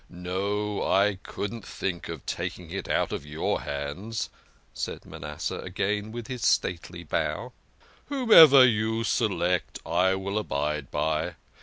"No I couldn't think of taking it out of your hands," said Manasseh again with his stately bow. "Whomever you select I will abide by.